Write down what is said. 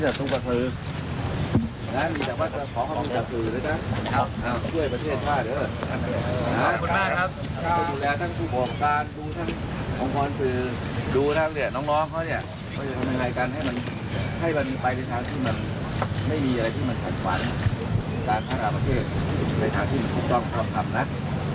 ทางทางกราบประเทศในทางที่พูดต้องทำกับนัท